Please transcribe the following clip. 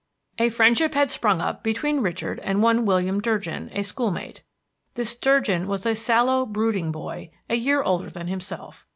A friendship had sprung up between Richard and one William Durgin, a school mate. This Durgin was a sallow, brooding boy, a year older than himself.